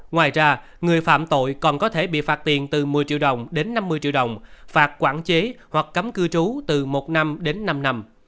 ngoài ra người phạm tội còn có thể bị phạt tiền từ một mươi triệu đồng đến năm mươi triệu đồng phạt quản chế hoặc cấm cư trú từ một năm đến năm năm